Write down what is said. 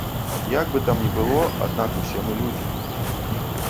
Як бы там не было, аднак усе мы людзі.